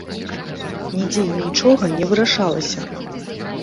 Нідзе і нічога не вырашалася!